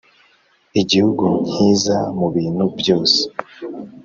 Igihugu nkiza mubintu byose